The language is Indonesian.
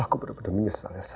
aku bener bener menyesal elsa